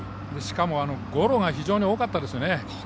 しかもゴロが非常に多かったですよね。